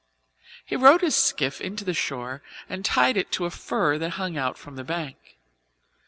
He rowed his skiff into the shore and tied it to a fir that hung out from the bank.